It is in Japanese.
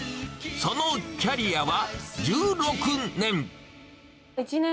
そのキャリアは１６年。